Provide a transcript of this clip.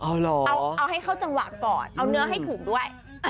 เอาให้เข้าจังหวะก่อนเอาเนื้อให้ถูกด้วย